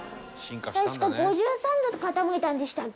確か５３度傾いたんでしたっけ？